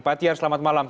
pak tiar selamat malam